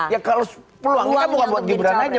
ya kalau peluangnya bukan buat gibran saja